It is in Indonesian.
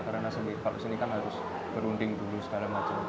karena seni kan harus berunding dulu segala macam